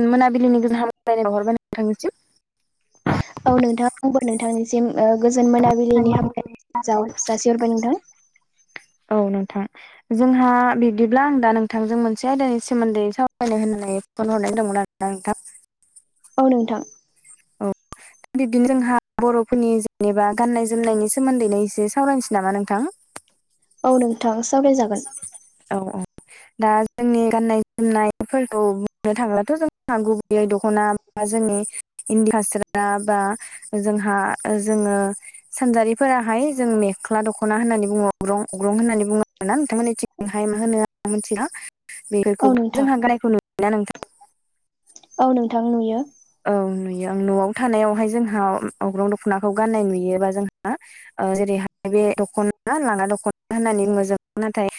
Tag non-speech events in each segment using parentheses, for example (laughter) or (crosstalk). मोनाबिलिनि (unintelligible) नोंथांनिसिम औ नोंथां आंबो नोंथांनिसिम गोजोन मोना बिलिनि हामलाय जासिहरबाय नोंथां औ नोंथां जोंहा बिब्दिब्ला आं दा नोंथांजों मोनसे आयदानि सोमोन्दै सावरायनो होननानै फन हरनाय दंमोन आरो ना नोंथां औ नोंथां औ बिब्दिनो जोंहा बर'फोरनि जेनेबा गाननाय जोमनायनि सोमोन्दैनो एसे सावरायनोसै नामा नोंथां? औ नोंथां सावरायजागोन। औ औ दा जोंनि गाननाय जोमनायफोरखौ बुंनो थांब्लाथ' जों गुबैयै दख'ना बा जोंनि इन्दि फासार बा जोंहा जोङो सानजारिफोराहाय जों मेख्ला दख'ना होननानै अग्रं अग्रं होननानै बुङो नोंथांमोननिमहाय मा होनो आं मिथिला औ बेफोरखौबो नोंथां जोंहा गायनायखौ नुनो नोंथां औ नोंथां नुयो औ नुयो आं न'आव थानायावहाय जोंहा अग्रं दख'नाखौ गान्नाय नुयोबा जोंहा जेरैहाय बे दख'ना लांगा दख'ना होननानै बुङो जों नाथाय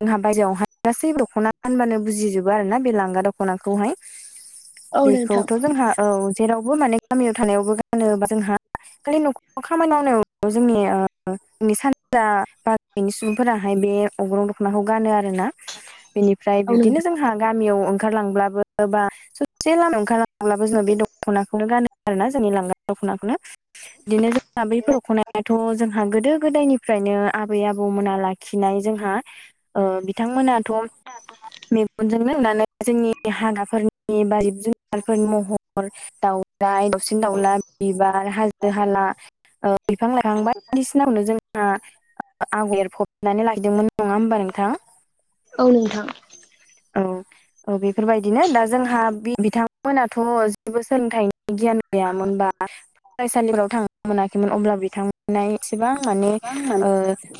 जोंहा बायेरायावहाय गासै दख'ना होनबानो बुजिजोबो आरो ना बे लांगा दख'नाखौहाय औ नोंथां बेखौथ' जोंहा औ जेरावबो माने गामियाव थानायावबो गानोबा जोंहा खालि न'खराव खामानि मावनायाव जोंनि सानजा ब बेनि सुबुंफोराहाय बे अग्रं दख'नाखौ गानो आरो ना बेनिफ्राय औ बिदिनो नोंथां जोंहा गामियाव ओंखारलांब्लाबो बा ससे लामा ओंखार अब्लाबो जोंनो बे दख'नाखौनो गानो आरोना जोंनि लांगा दख'नाखौनो बिदिनो जोंहा बैफोर ख'नायाथ' जोंहा गोदो गोदायनि फ्रायनो आबै आबौमोना लाखिनाय जोंहा बिथांमोनाथ' मेगनजोंनोनानै जोंनि हाग्राफोरनि बा जिब जुनारफोरनि महर दाउ दावसिन दावउला बिबार हाजो हाला बिफां लाइफां बायदिसिनावनो जों आगर एरफबनानै लायदोंमोन नङा होमबा नोंथाङा औ नोंथां औ औ बेफोरबायदिनो दा जोंहा बिथांमोनाथ' जेबो सोलोंथाइ गियान गैयामोनबा फरायसालिफोराव थांनो मोनाखैमोन अब्ला बिथांमोन नाय एसेबां माने ओ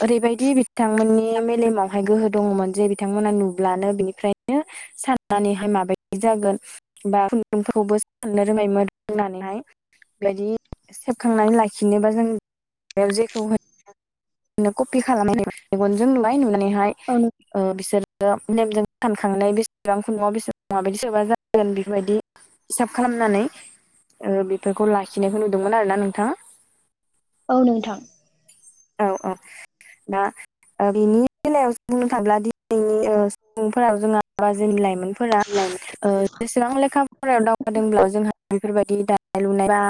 ओरैबायदि बिथांमोननि मेलेमावहाय गोहो दङमोन जे बिथांमोना नुब्लानो बिनि ओमफ्रायनो साननानैहाय माबायदि जागोन बा खुन्दुंफोरखौबो साननो रोंङोमोन होननानैहाय बेबायदि सेबखांनानै लाखिनोबा जों बेयाव जेखौ बिदिनो कपि खालामनानै मेगनजों नुलाय नुनानैहाय औ नों बिसोरो नेमजों सानखांनाय बेसेबां ख नुआव बेसेबां माबायदि सोबा जागोन बेफोरबायदि हिसाब खालामनानै बेफोरखौ लाखिनायखौ नुदोंमोन आरो ना नोंथाङा औ नोंथां औ औ दा बिनि बेलायावसो बुंनो थाङ्ला दिनैनि सुबुंफोराव जों जोंनि लाइमोन फोर जेसेबां लेखा फरायायाव दावगादोंब्ला जोंहा बेफोरबायदि दानाय लुनाय बा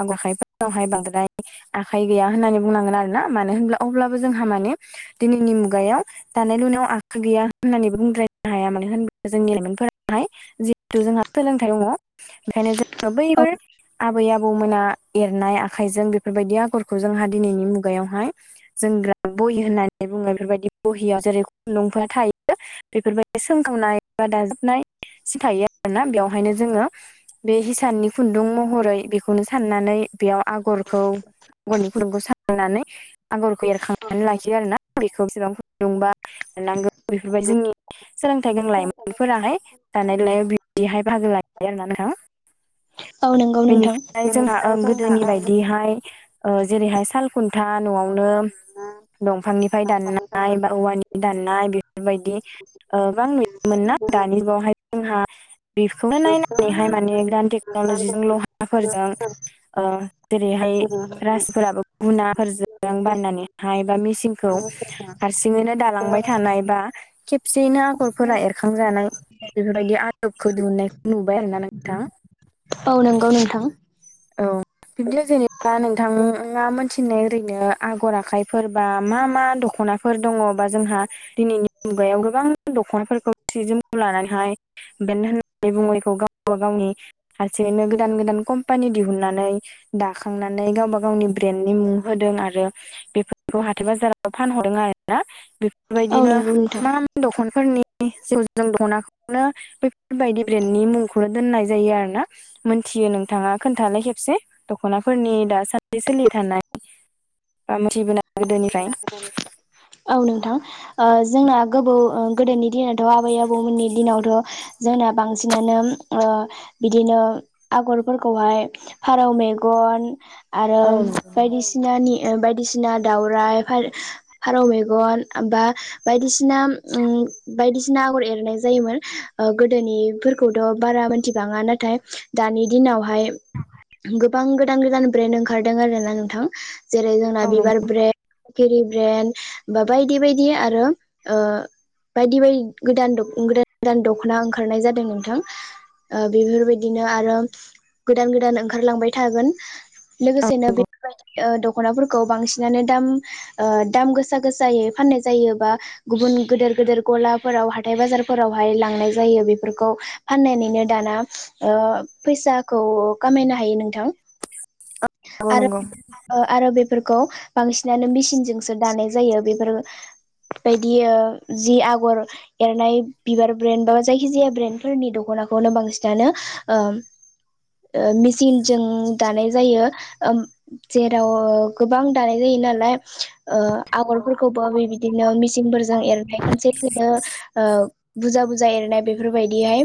आग आखाइफोरावहाय बांद्राय आखाइ गैया होननानै बुंनांगोन आरो ना। मानो होनब्ला अब्लाबो जोंहा माने दिनैनि मुगायाव दानाय लुनायाव आखाइ गैया होननानैबो बुंद्रायनो हाया मानो होन्ला जोंनि लाइमोनफोराहाय जिहेथु जोंहा सोलोंथाइ दङ ओंखायनो जोङो औ बैफोर आबै आबौमोना एरनाय आखाइजों बेफोरबायदि आगरखौ जोंहा दिनैनि मुगायाव हाय जोंग्रा बहि होननानै बुङो बेफोरबायदि बहियाव जेरै खुन्दुंफोरा थायो। बेफोरबायदि सोंखावनाय बा दाजाबनाय सि थायो आरोना बेयाव ओंखायनो जोङो बे हिसाननि खुन्दुं महरै बेखौनो साननानै बेयाव आगरखौ आगरनि फुदुंखौ सारनानै आगरखौ एरखांनानै लाखियो आरो ना खौ बेसेबां फुन्दुंबा मोननांगौ बेफोरबाय जोंनि सोलोंथाइ गोनां लाइमोनफोराहाय थानायानाय लायाव बिदिहाय बाहागो लाहैयो आरो ना नोंथां। औ नंगौ नोंथां बेनिफ्राय जोंना गोदोनि बायदिहाय ओ जेरैहाय सालखुन था न'आवनो दंफांनिफ्राय दाननाय बा औवानि दाननाय बेफोरबायदि ओ गोबां नुयोमोन ना दानि बेवहाय जोंहा बेखौनो नायनानैहाय माने गोदान टेक्न'लजिजों लहाफोरजों ओ जेरैहाय रासफोराबो गुनाफोर बाननानैहाय बा मिसिनखौ हारसिङौनो दां थानाय बा खेब खेबसेयैनो आगरफोरा एरखांजानाय बेफोरबायदि आदबखौ दिहुननायखौ नुबाय आरो ना नोंथां। औ नंगौ नोंथां। औ बिदिनो जेनेबा नोंथाङा मोनथिनाय ओरैनो आगर आखाय फोरबा मा मा दख'ना फोर दङ बा जोंहा दिनैनि मुगायाव गोबां दख'नाफोरखौ सि जोमखौ लानानैहाय बे होननानै बुंनायखौ गावबा गावनि हारसेैनो गोदान गोदान कम पानि दिहुननानै दाखांनानै गावबा गावनि ब्रेन्डनि मुं होदों आरो बेफोरखौ हाथाय बाजाराव फानहरदों आरोना औ बेफोरबायदिनो नंगौ नोंथां मा दख'नफोरनि जिउ ज दखनाखौनो बेफोरबायदि ब्रेन्डनि मुंखौनो दोननाय जायो आरो ना मोनथियो नोंथाङा खोन्थानाय खेबसे दख'नाफोरनि दा सानदि सोलिबाय थानाय बा मिथि (unintelligible) औ नोंथां ओ जोंना गोबौ गोदोनि दिनावथ' आबै आबौमोननि दिनावथ' जोंना बांसिनानो बिदिनो आगरफोरखौहाय फारौ मेगन आरो औ नंगौ बायदिसिनानि बायदिसिना दावराइ फारौ मेगन बा बायदिसिना बायदिसिना आगर एरनाय जायोमोन गोदोनिफोरखौथ' बारा मोनथिबाङा नाथाय दानि दिनावहाय गोबां गोदान गोदान ब्रेन्ड ओंखारदों आरो ना नोंथां। जेरै जोंना बिबार फिरि ब्रेन्ड बा बायदि बायदि आरो ओ बायदि बायदि गोदान गोदान गोदान दख'ना ओंखारनाय जादों नोंथां ओ बेफोरबायदिनो आरो गोदान गोदान ओंखारलांबाय थागोन औ लोगोसेनो बेफोरबायदि दख'नाफोरखौ बांसिनानो दाम ओ दाम गोसा गोसायै फाननाय जायोबा गुबुन गेदेर गेदेर गलाफोराव हाथाय बाजारफोरावहाय लांनाय जायो बेफोरखौ। फाननानैनो दाना ओ फैसाखौ खामायनो हायो नोंथां। नंगौ नंगौ नंगौ आरो आरो बेफोरखौ बांसिन बिसिनानो मेसिनजोंसो दानाय जायो बेफोर बायदि जि आगर एरनाय बिबार ब्रेन्ड बा जायखिजाया ब्रेन्डफोरनि दख'नाखौनो बांसिनानो मेसिनजों दानाय जायो जेराव गोबां दानाय जायो नालाय ओ आगरफोरखौ बे बिदिनो मिसिनफोरजों एरनाय खनसेखोनो बुरजा बुरजा एरनाय बेफोरबायदिहाय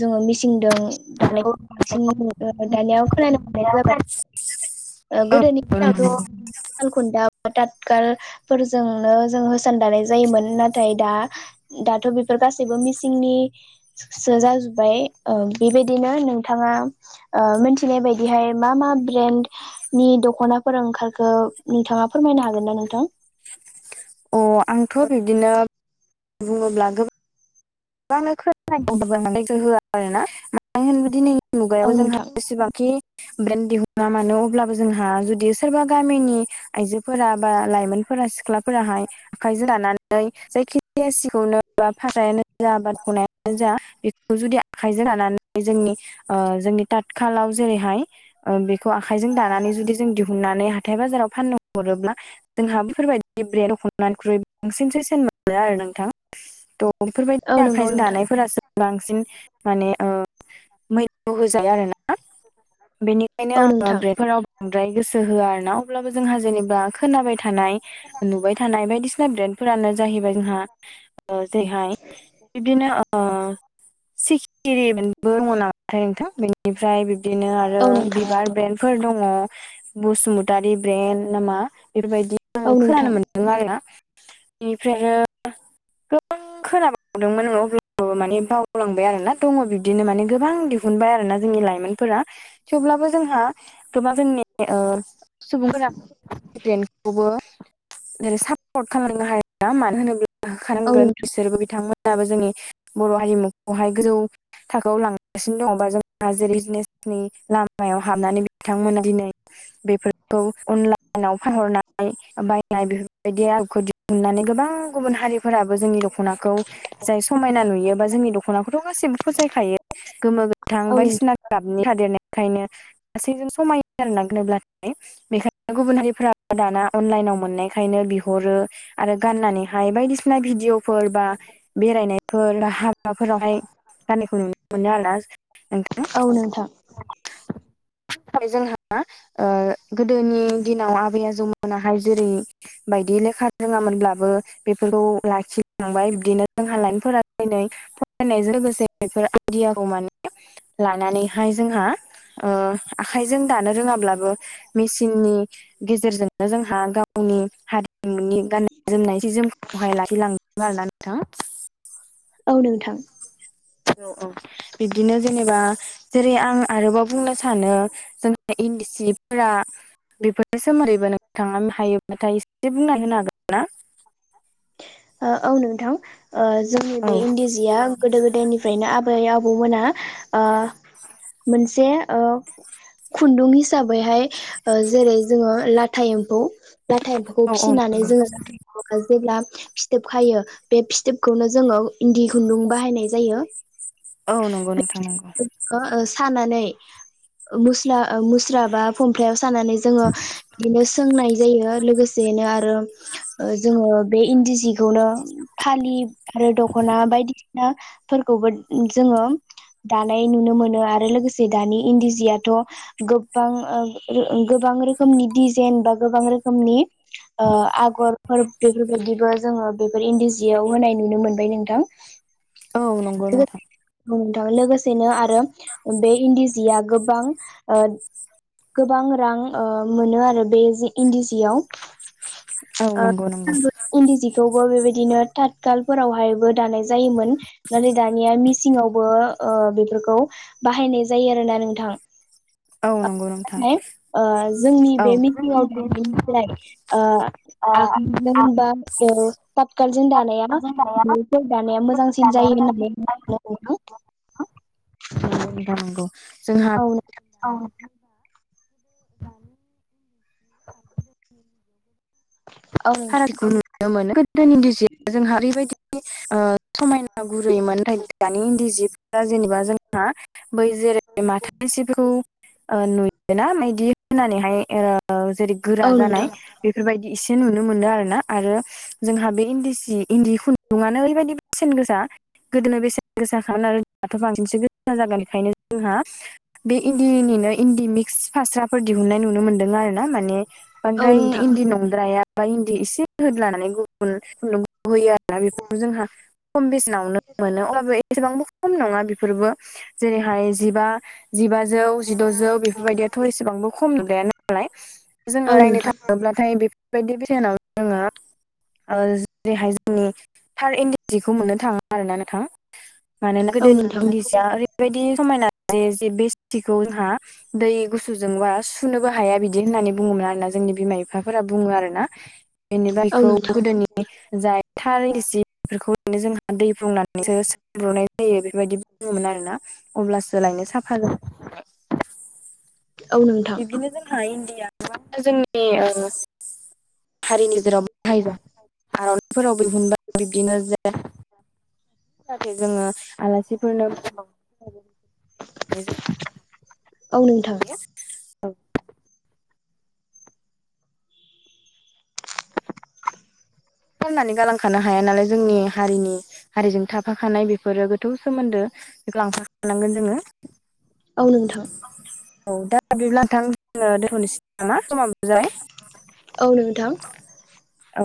जोङो मिस सिंदों दानायखौ बांसिन दानिया खोनानो मोननाय जाबाय। गोदोनि औ दिनावथ' नंगौ सालखुन्था बा टाथगालफोरजोंनो जों होसान दानाय जायोमोन नाथाय दा दाथ' बेफोर गासैबो मिसिंनि सो जाजोब्बाय बेबायदिनो नोंथाङा मिथिनाय बायदिहाय मा मा ब्रेन्डनि दख'नाफोर ओंखार खो नोंथाङा फोरमायनो हागोन ना नोंथां? अ आंथ' बिब्दिनो बुङोब्ला गोबां गोबांनो खोनानाय (unintelligible) आर ना मानो (unintelligible) दिनैनि औ मुगायाव जोंहा नोंथां जेसेबांखि ब्रेन्ड दिहुना मानो अब्लाबो जोंहा जुदि सोरबा गामिनि आइजो फोरा बा लाइमोनफोरा सिख्लाफोराहाय आखायजों लानानै जायखिजाया सिखौनो बा फास्रायानो जा (unintelligible) ख'नायानो जा बेखौ जुदि आखाइजों लानानै जोंनि जोंनि तात खाालाव जेरैहाय बे खौ आखाइजों दानानै जुदि जों दिहुननानै हाथाय बाजाराव फाननो हरोब्ला जोंहा बेफोरबायदि ब्रेड दख'नानिख्रुइ बांसिनसो (unintelligible) मोनो आरो नोंथां थ' बेफोरबायदि औ नंगौ आखाइजों नोंथां दानायफोरासो बांसिन माने मैखौ होजायो आरोना बेनि ओंखायनो औ आङो नोंथां ब्रेन्डफोराव बांद्राय गोसो होआ आर ना अब्लाबो जोंहा जेनेबा खोनाबाय थानाय नुबाय थानाय बायदिसिना ब्रेन्ड फोरानो जाहैबाय जोंहा जेरैहाय बिबदिनो सिखिरिबो दङ नामाथाय नोंथां बेनिफ्राय बिदिनो आरो औ नोंथां बिबार ब्रेन्ड फोर दङ बसुमतारि ब्रेन्ड नामा बेफोरबायदि जों औ खोनानो नोंथां मोन दों आरोना बेनिफ्रायनो गोबां खोनाबावदोंमोन अब्ला माने बावलांबाय आरो ना दङ बिब्दिनो माने गोबां दिहुनबाय आरोना जोंनि लाइमोनफोरा थेवब्लाबो जोंहा (unintelligible) जोंनि सुबुंफोरा (unintelligible) खौबोै सापर्ट खालामनो हाया मानो होनोब्ला औ नोंथां औ होखानांगोन नोंथां बिसोरबो बिथांमोनाबो जोंनि बर' हारिमुखौहाय गोजौ थाखोआव लांगासिनो दङबा जोंहा जेरै जिनेसनि लामायाव हाबनानै बिथांमोना दिनै बेफोरखौ अनलाइनाव फानहरनाय बायनाय बेफोरबायदि आदबखौ दिहुननानै गोबां गुबुन हारिफोराबो जोंनि दख नाखौ समायना नुयो जोंनि दख'नाखौथ' गासिबो फसायखायो थां औ बायदिसिना गाबनि थादेरनायखायनो गासैजों समायो (unintelligible) बेखायनो गुबुन हारिफोरा दाना अनलाइनाव मोननायखायनो बिहरो आरो गाननानैहाय बायदिसिना भिडिअ फोर बा बेरायनायफोर बा हाबाफोरावहाय गाननायखौ नुनो मोनो आरोना नोंथां औ नोंथां जोंहा गोदोनि दिनाव आबै आजौमोनाहाय जेरै बायदि (unintelligible) (unintelligible) रोङामोनब्लाबो बेफोरखौ लाखिलांबाय बिदिनो जोंहा लाइमोनफोरा दिनै होननायजों लोगोसे बेफोर आइडियाखौ माने लानानैहाय जोंहा आखायजों दानो रोङाब्लाबो मेसिननि गेजेरजोंनो जोंहा गावनि हारिमुनि गाननाय जोमनाय जोमखौहाय लाखिलां (unintelligible) आरना नोंथां औ नोंथां। बिदिनो जेनेबा जेरै आं आरोबाव बुंनो सानो जों इन्दि सिफोरा बेफोरनि सोमोन्दैबो नोंथाङा हायोबाथाय एसे बुंनाय होनो हागोन। ना? ओ औ नोंथां ओ जोंनि औ बे इन्दि जिया गोदो गोदायनिफ्रायनो आबै आबौमोना ओ मोनसे ओ खुन्दुं हिसाबैहाय ओ जेरै जोङो लाथा एम्फौ लाथा एम्फौ खौ औ औ फिसिनानै नंगौ जोङो (unintelligible) जेब्ला फिस फिथोब खायो बे फिथोबखौनो जोङो इन्दि खुन्दुं बाहायनाय जायो। औ नंगौ नोंथां नंगौ। ओ ओ सानानै मुस्ला ओ मुस्रा बा फमफ्लायाव सानानै जोङो बिदिनो सोंनाय जायो लोगोसेनो आरो ओ जोङो बे इन्दि जि खौनो फालि आरो दख'ना बायदिसिनाफोरखौबो जोङो दानाय नुनो मोनो आरो लोगोसे दानि इन्दि जियाथ' गोबां ओ ओ गोबां रोखोमनि दिजेन बा गोबां रोखोमनि ओ आगरफोर बेफोरबायदिबो जोङो बेफोर इन्दि जियाव होनाय नुनो मोनबाय नोंथां। औ नंगौ नोंथां। बुं नोंथां लोगोसेनो आरो बे इन्दि सिया गोबां ओ गोबां रां ओ मोनो आरो बे जि इन्दि जियाव। औ ओ नंगौ नंगौ (unintelligible) इन्दि जि। खौबो बेबायदिनो थातखालफोरावहायबो दानाय जायोमोन। नानै दानिया मिसिंआवबो ओ बेफोरखौ बाहायनाय जायो आरोना नोंथां। औ ओ नंगौ नोंथां नाथाय ओ जोंनि औ बे जोंनि मिथिङाव बे दानायनिफ्राय ओ आ होमबाबो ताथकालजों दानाया बेफोर दानाया मोजांसिन जायो होननानै (unintelligible) थानांगौ जोंहा आं (unintelligible) (unintelligible) फारागखौ नुनो मोनो गोदोनि जि जोंहा ओरैबायदि ओ समायना गुरैयोमोन नाथाय दानि इन्दि जिफोरा जेनेबा जोंहा बै जेरै माथानि सिखौ ओ नुयोना मायदि होनानैहाय ओ जेरै गोरा सानो जानाय नोंथां बेफोरबायदि एसे नुनो नुनो मोनो आरोना आरो जोंहा बे इन्दि सि इन्दि खुन्दुङानो ओरैबायदि बेसेन गोसा गोदोनो बेसेन गोसाखा होननानै दाथ' बांसिनसो गोसा जागोन बेखायनो जोंहा बे इन्दिनिनो इन्दि मिक्स फास्राफोर दिहुनाय नुनो मोन्दों आरो ना माने औ ओमफ्राय नोंथां इन्दि नंद्राया इन्दि एसे होदलानानै गुबुन खुन्दुं होयो आरोना बेफोरखौ जोंहा खम बेसेनावनो मोनो अबलाबो एसेबांबो खम नङा बेफोरबो जेरैहाय जिबा जिबाजौ जिद'जौ बेफोरबायदियाथ' एसेबांबो खम गैया नालाय जोङो औ नायनो नोंथां थाङोब्लाथाय बेफोरबायदि बेनाव जोङो ओ जेरैहाय जोंनि थार इन्दि जिखौ मोननो थाङो आरो ना नोंथां। मानोना औ गोदोनि नोंथां इन्दि जिया ओरैबायदि समायना जे बे जिखौ जोंहा दै गुसुजोंबा सुनोबो हाया बिदि होननानै बुङोमोन आरोना जोंनि बिमा बिफाफोराबो। बुङो आरोना बेनिफाय औ नोंथां औ बेखौ नोंथां औ नोंथां गोदोनि जाय थार जिफोरखौनो जोंहा दै फुदुंनानैसो ब्र'नाय जायो बेफोरबायदि बुङोमोन आरोना अब्लासो लायनो साफा जागोन। औ नंगौ। बिदिनो जोंहा इण्डिया म जोंनि हारिनि जेराव बाहायजा आर'नाइफोराव दिहुनबाय बिब्दिनो जेया (unintelligible) जोङो आलासिफोरनो (unintelligible) औ नोंथाङा औ खालामनानै गालांखानो हाया नालाय जोंनि हारिनि हारिजों थाफाखानाय बेफोरो गोथौ सोमोन्दो। बेखौ लांफखाननांगोन जोङो। औ नोंथां। औ दा बिब्ला नोंथां दोनथ नोसै नामा जा बजाय औ नोंथां। औ